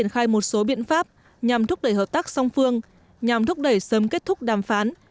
khai một số biện pháp nhằm thúc đẩy hợp tác song phương nhằm thúc đẩy sớm kết thúc đàm phán